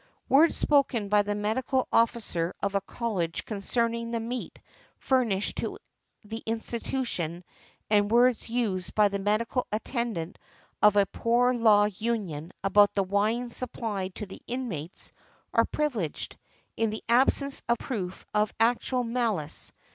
Words spoken by the medical officer of a college concerning |137| the meat furnished to the institution; and words used by the medical attendant of a poor law union about the wine supplied to the inmates, are privileged, in the absence of proof of actual malice .